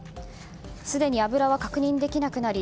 すでに油は確認できなくなり